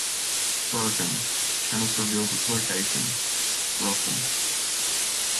Broken, Channis reveals its location: Rossem.